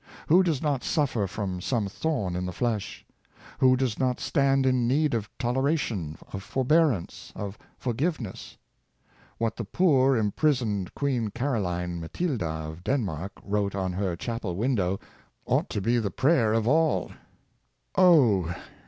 ^ Who does not suffer from some thorn in the flesh } Who does not stand in need of toleration, of forbearance, of forgiveness.^ What the poor imprisoned Queen Caro line Matilda, of Denmark, wrote on her chapel window ought to be the prayer of all —" Oh!